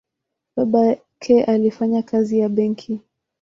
Babake alifanya kazi ya benki.